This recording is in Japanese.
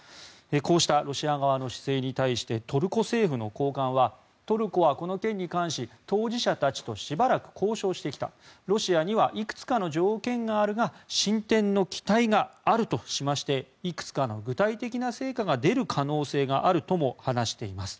こうしたロシア側の姿勢に対してトルコ政府の高官はトルコはこの件に関し当事者たちとしばらく交渉してきたロシアにはいくつかの条件があるが進展の期待があるとしましていくつかの具体的な成果が出る可能性があるとも話しています。